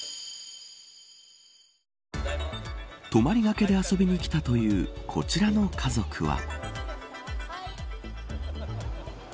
泊りがけで、遊びに来たというこちらの家族は。